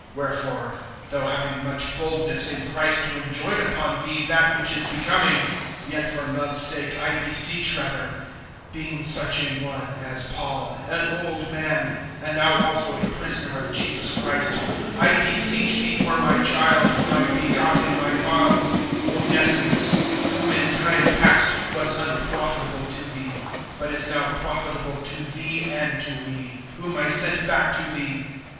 (8)Wherefore, though having much boldness in Christ to enjoin upon thee that which is becoming, (9)yet for love's sake I beseech rather; being such a one, as Paul an old man, and now also a prisoner of Jesus Christ, (10)I beseech thee for my child, whom I begot in my bonds, Onesimus; (11)who in time past was unprofitable to thee, but is now profitable to thee and to me; (12)whom I sent back to thee.